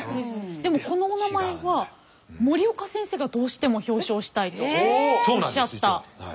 でもこのお名前は森岡先生がどうしても表彰したいとおっしゃった名字なんですよ。